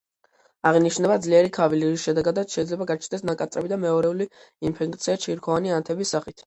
აღინიშნება ძლიერი ქავილი, რის შედეგადაც შეიძლება გაჩნდეს ნაკაწრები და მეორეული ინფექცია ჩირქოვანი ანთების სახით.